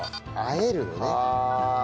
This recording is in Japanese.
和えるのね。